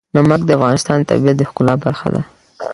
نمک د افغانستان د طبیعت د ښکلا برخه ده.